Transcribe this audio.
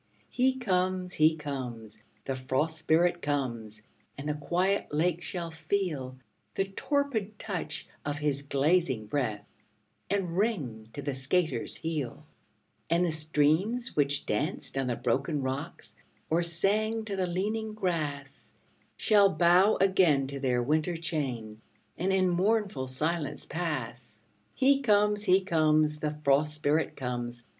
He comes, he comes, the Frost Spirit comes and the quiet lake shall feel The torpid touch of his glazing breath, and ring to the skater's heel; And the streams which danced on the broken rocks, or sang to the leaning grass, Shall bow again to their winter chain, and in mournful silence pass. He comes, he comes, the Frost Spirit comes!